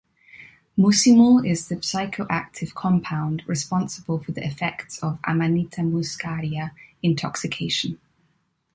Muscimol is the psychoactive compound responsible for the effects of "Amanita muscaria" intoxication.